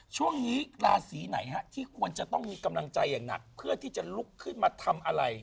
ช่วงนี้ราศีไหนฮะที่ควรจะต้องมีกำลังใจอย่างหนักเพื่อที่จะลุกขึ้นมาทำอะไร